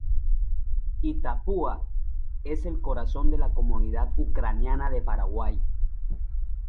Itapúa es el corazón de la comunidad ucraniana de Paraguay.